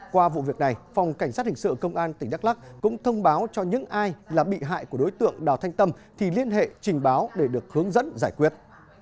qua vụ việc này phòng cảnh sát hình sự công an tỉnh đắk lắc cũng thông báo cho những ai là bị hại của đối tượng đào thanh tâm thì liên hệ trình báo để được hướng dẫn giải quyết